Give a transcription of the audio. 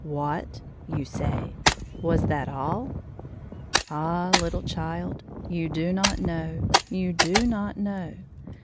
" What !" you say, " was that all ?'' Ah, little child, you do not know — you do not know.